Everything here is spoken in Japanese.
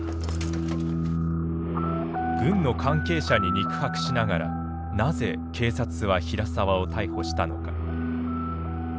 軍の関係者に肉薄しながらなぜ警察は平沢を逮捕したのか。